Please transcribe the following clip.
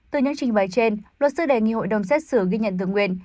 từ những trình bài trên luật sư đề nghị hội đồng xét xử ghi nhận tượng nguyện